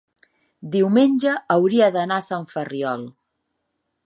diumenge hauria d'anar a Sant Ferriol.